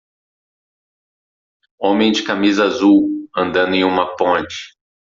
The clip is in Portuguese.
Homem de camisa azul, andando em uma ponte.